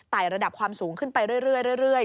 ระดับความสูงขึ้นไปเรื่อย